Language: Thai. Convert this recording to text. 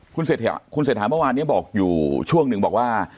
คุณเสร็จหาคุณเสร็จหาเมื่อวานนี้บอกอยู่ช่วงหนึ่งบอกว่า